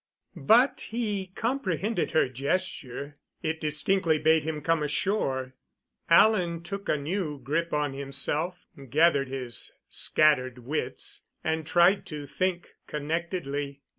But he comprehended her gesture; it distinctly bade him come ashore. Alan took a new grip on himself, gathered his scattered wits, and tried to think connectedly.